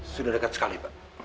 sudah dekat sekali pak